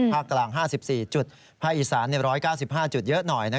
ภาคกลาง๕๔จุดภาคอีสาน๑๙๕จุดเยอะหน่อย